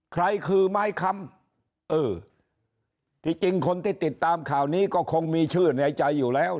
ใครคือไม้คำเออที่จริงคนที่ติดตามข่าวนี้ก็คงมีชื่อในใจอยู่แล้ว